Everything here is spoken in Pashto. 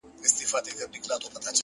هره پرېکړه راتلونکی رنګوي.!